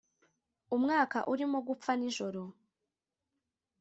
umwaka urimo gupfa nijoro;